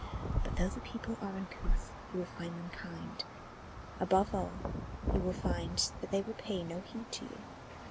But though the people are uncouth, you will find them kind. Above all you will find that they will pay no heed to you.